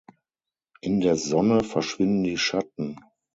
In der Sonne verschwinden die Schatten.